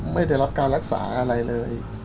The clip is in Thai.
ไม่ได้รับการรักษาอะไรเลย